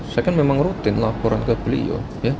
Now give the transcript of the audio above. saya kan memang rutin laporan ke beliau